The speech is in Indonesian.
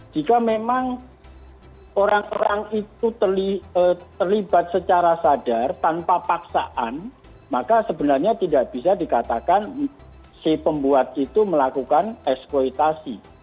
jika memang orang orang itu terlibat secara sadar tanpa paksaan maka sebenarnya tidak bisa dikatakan si pembuat itu melakukan eksploitasi